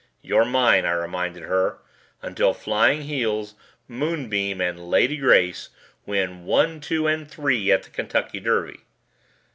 "You're mine," I reminded her, "until Flying Heels, Moonbeam, and Lady Grace win One, Two, and Three at the Kentucky Derby."